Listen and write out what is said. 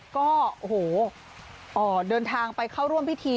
ก็โอ้โหเดินทางไปเข้าร่วมพิธี